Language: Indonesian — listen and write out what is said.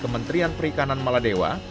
kementerian perikanan maladewa